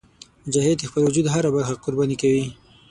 مجاهد د خپل وجود هره برخه قرباني کوي.